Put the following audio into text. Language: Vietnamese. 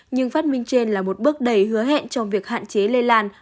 nhưng phát minh trên là một bước đầy hứa hẹn trong việc hạn chế lây lan